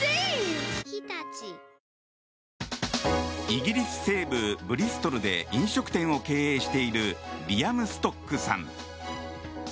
イギリス西部ブリストルで飲食店を経営しているリアム・ストックさん。